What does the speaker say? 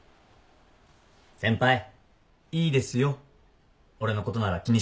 先輩いいですよ俺のことなら気にしなくても。